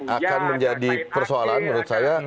akan menjadi persoalan menurut saya